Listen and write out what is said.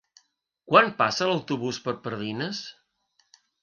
Quan passa l'autobús per Pardines?